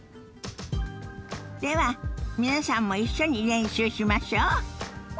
では皆さんも一緒に練習しましょ。